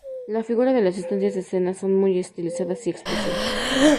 Las figuras de las distintas escenas son muy estilizadas y expresivas.